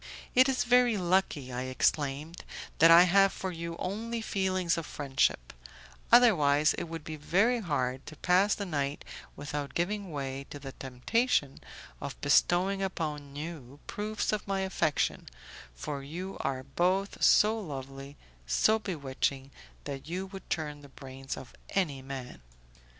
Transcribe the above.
"It is very lucky," I exclaimed, "that I have for you only feelings of friendship; otherwise it would be very hard to pass the night without giving way to the temptation of bestowing upon you proofs of my affection, for you are both so lovely, so bewitching, that you would turn the brains of any man."